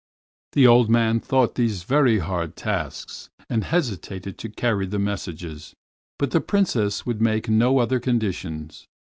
The old man thought these very hard tasks and hesitated to carry the messages, but the Princess would make no other conditions.